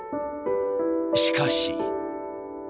しかし。